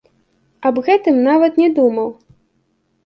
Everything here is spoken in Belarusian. Аб гэтым нават не думаў.